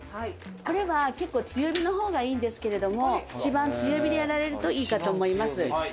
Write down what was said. これは結構強火の方がいいんですけれども一番強火でやられるといいかと思います